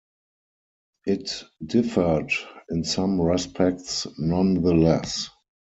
It differed in some respects nonetheless.